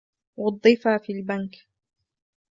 وظف في البنك